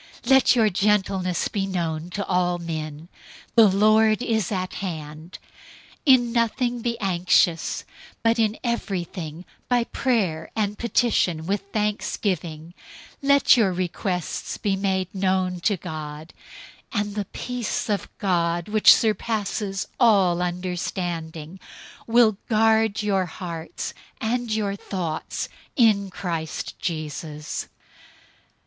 004:005 Let your gentleness be known to all men. The Lord is at hand. 004:006 In nothing be anxious, but in everything, by prayer and petition with thanksgiving, let your requests be made known to God. 004:007 And the peace of God, which surpasses all understanding, will guard your hearts and your thoughts in Christ Jesus.